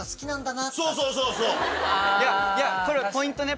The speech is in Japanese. これポイントね！